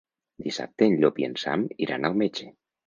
Dissabte en Llop i en Sam iran al metge.